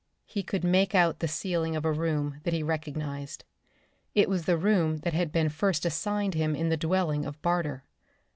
He could make out the ceiling of a room that he recognized. It was the room that had been first assigned him in the dwelling of Barter.